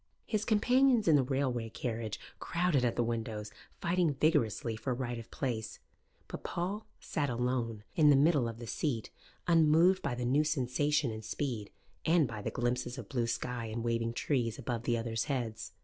His companions in the railway carriage crowded at the windows, fighting vigorously for right of place; but Paul sat alone in the middle of the seat, unmoved by the new sensation and speed, and by the glimpses of blue sky and waving trees above the others' heads.